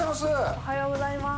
おはようございます。